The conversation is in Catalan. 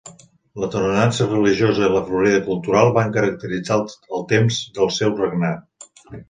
La tolerància religiosa i la florida cultural van caracteritzar el temps del seu regnat.